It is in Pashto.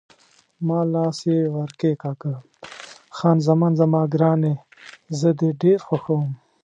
ما لاس یې ور کښېکاږه: خان زمان زما ګرانې، زه دې ډېر خوښوم.